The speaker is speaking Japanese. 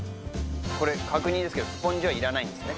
これ確認ですけどスポンジはいらないんですね？